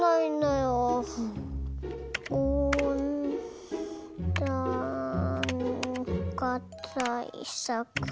おんだんかたいさく。